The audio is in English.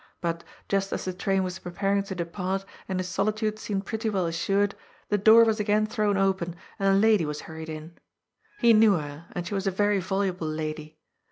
But, just as the train was preparing to depart and his solitude seemed pretty well assured, the door was again thrown open, and a lady was hurried in. He knew her, and she was a very voluble lady.